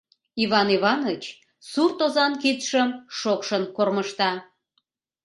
— Иван Иваныч суртозан кидшым шокшын кормыжта.